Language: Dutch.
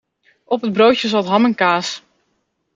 Op het broodje zat ham en kaas.